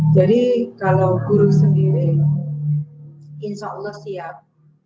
jadi kalau guru sendiri insya allah siap